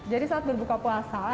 jadi saat berbuka puasa